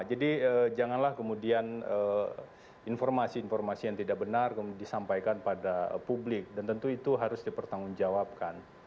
jadi janganlah kemudian informasi informasi yang tidak benar disampaikan pada publik dan tentu itu harus dipertanggungjawabkan